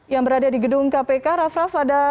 yang berada di gedung kpk raff raff ada